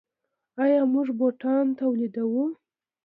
آیا موږ بوټان تولیدوو؟